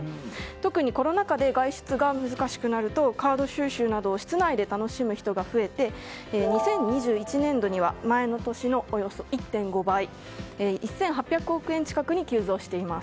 特にコロナ禍で外出が難しくなるとカード収集などを室内で楽しむ人が増えて２０２１年度には前の年のおよそ１．５倍の１８００億円近くに急増しています。